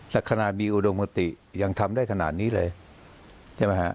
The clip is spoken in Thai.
แต่ขนาดมีอุดมพตียังทำได้ขนาดนี้เลย